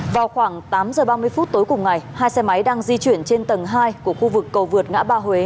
vào khoảng tám giờ ba mươi phút tối cùng ngày hai xe máy đang di chuyển trên tầng hai của khu vực cầu vượt ngã ba huế